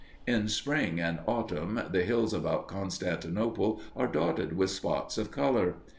In spring and autumn the hills about Constantinople are dotted with spots of color.